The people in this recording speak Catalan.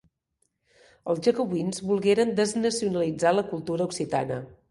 Els jacobins volgueren desnacionalitzar la cultura occitana.